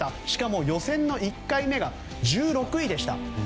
しかも予選の１回目が１６位でした。